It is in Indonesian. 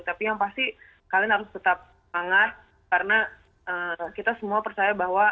tapi yang pasti kalian harus tetap semangat karena kita semua percaya bahwa